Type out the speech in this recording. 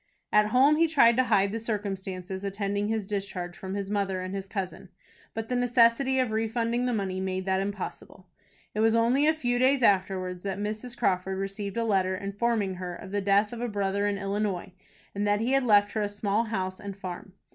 At home he tried to hide the circumstances attending his discharge from his mother and his cousin; but the necessity of refunding the money made that impossible. It was only a few days afterwards that Mrs. Crawford received a letter, informing her of the death of a brother in Illinois, and that he had left her a small house and farm.